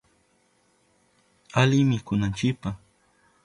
Ali mikunanchipa.